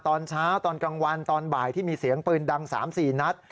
ตอนเช้าตอนกลางวันตอนบ่ายที่มีเสียงปืนดัง๓๔นัด